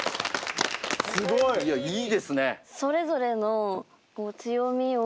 すごい！いやいいですね。